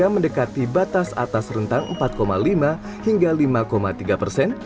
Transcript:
mendekati batas atas rentang empat lima hingga lima tiga persen